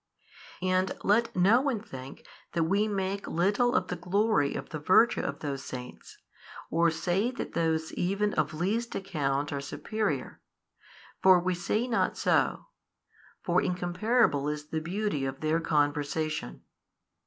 And let no one think that we make little of the glory of the virtue of those Saints or say that those even of least account are superior. For we say not so; for incomparable is the beauty of their conversation.